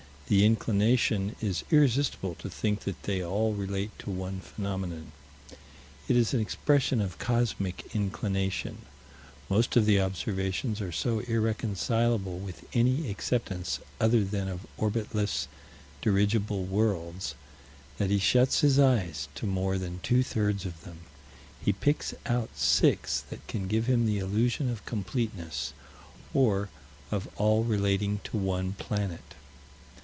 The inclination is irresistible to think that they all relate to one phenomenon. It is an expression of cosmic inclination. Most of the observations are so irreconcilable with any acceptance other than of orbitless, dirigible worlds that he shuts his eyes to more than two thirds of them; he picks out six that can give him the illusion of completeness, or of all relating to one planet.